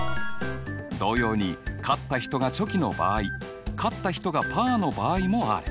同様に勝った人がチョキの場合勝った人がパーの場合もある。